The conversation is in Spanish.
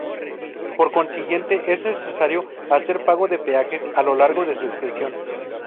Por consiguiente, es necesario hacer pago de peajes a lo largo de su extensión.